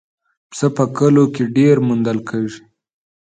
پسه په کلیو کې ډېر موندل کېږي.